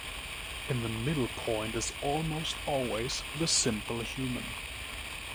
In the middle point is almost always the simple human.